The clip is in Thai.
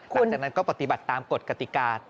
หลังจากนั้นก็ปฏิบัติตามกฎกติกา